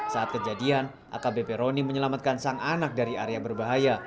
saat kejadian akbp roni menyelamatkan sang anak dari area berbahaya